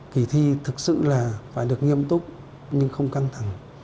kỳ thi thực sự là phải được nghiêm túc nhưng không căng thẳng